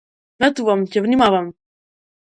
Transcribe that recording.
Ветувам, ќе внимавам!